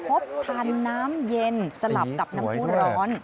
พบทานน้ำเย็นสลับกับน้ำผู้ร้อน